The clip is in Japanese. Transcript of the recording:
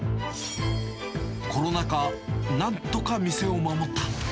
コロナ禍、なんとか店を守った。